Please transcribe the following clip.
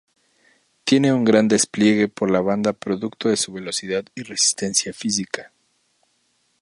Tiene un gran despliegue por la banda producto de su velocidad y resistencia física.